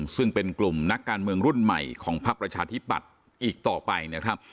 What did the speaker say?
ซึ่งเป็นกลุ่มนักการเมืองรุ่นใหม่ของพักประชาธิปัตย์อีกต่อไปนะครับ